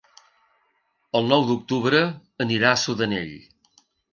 El nou d'octubre anirà a Sudanell.